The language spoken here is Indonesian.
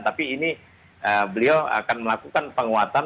tapi ini beliau akan melakukan penguatan